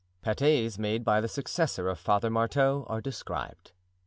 Pâtés made by the Successor of Father Marteau are described.